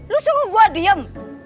lu suruh gue diem